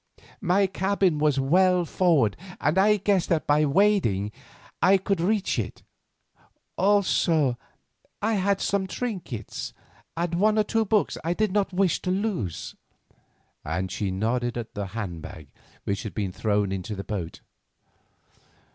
My cabin was well forward, and I guessed that by wading I could reach it. Also, I had some trinkets and one or two books I did not wish to lose," and she nodded at the hand bag which she had thrown into the boat.